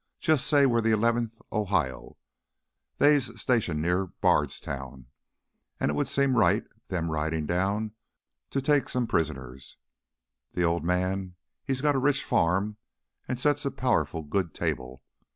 Jus' say we're the Eleventh Ohio they's stationed near Bardstown and it would seem right, them ridin' down to take them some prisoners. The old man, he's got a rich farm and sets a powerful good table.